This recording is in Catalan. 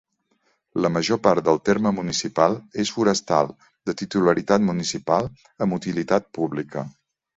La major part del terme municipal és forestal de titularitat municipal amb utilitat pública.